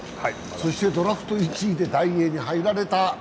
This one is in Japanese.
そして、ドラフト１位でダイエーに入られた。